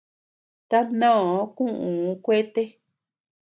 Tamnoo kuʼuu kuete.